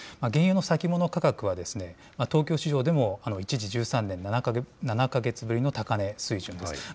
原油の先物価格は、東京市場でも一時１３年７か月ぶりの高値水準です。